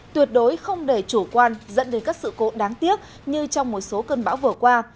tuyệt đối không để chủ quan dẫn đến các sự cố đáng tiếc như trong một số cơn bão vừa qua